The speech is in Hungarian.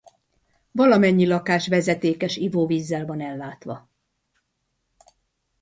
Valamennyi lakás vezetékes ivóvízzel van ellátva.